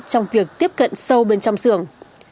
trong việc tiếp cận sâu bên trong sường